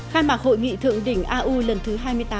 khai mạc hội nghị thượng đỉnh au lần thứ hai mươi tám